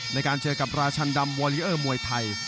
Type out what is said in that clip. ในการเจอกับราชันดำวอลิเออร์มวยไทย